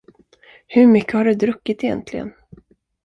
Hur mycket har du druckit egentligen?